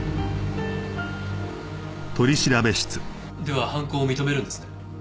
では犯行を認めるんですね？